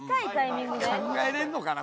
考えられるのかな？